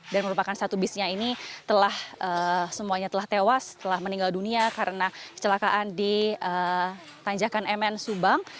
dan merupakan satu bisnya ini telah semuanya telah tewas telah meninggal dunia karena kecelakaan di tanjakan mn subang